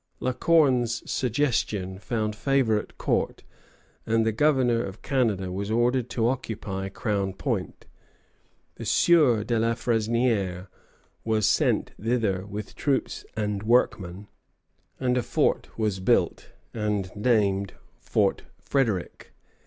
La Corne's suggestion found favor at court, and the Governor of Canada was ordered to occupy Crown Point. The Sieur de la Fresnière was sent thither with troops and workmen, and a fort was built, and named Fort Frédéric.